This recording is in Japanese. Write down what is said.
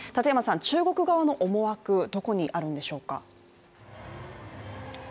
中国側の思惑、どこにあるのでしょうか。